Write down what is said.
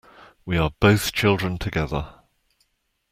We are both children together.